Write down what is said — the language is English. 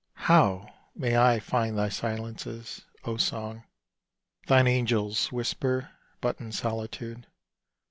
How may I find thy silences, O Song? Thine angels whisper but in solitude.